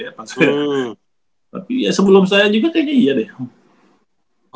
tapi ya sebelum saya juga kayaknya iya deh